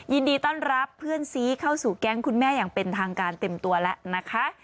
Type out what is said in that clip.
ยินดีต้อนรับเพื่อนซีเข้าสู่แก๊งคุณแม่อย่างเป็นทางการเต็มตัวแล้วนะคะ